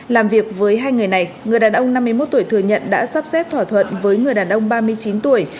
làm việc với hai người này người đàn ông năm mươi một tuổi thừa nhận đã sắp xếp thỏa thuận với người đàn ông ba mươi chín tuổi